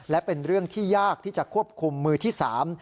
และเป็นเรื่องที่ยากที่จะควบคุมมือที่สาม